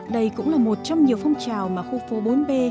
đây cũng là một trong nhiều phong trào mà khu phố bốn b